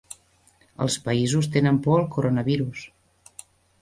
Els països tenen por al coronavirus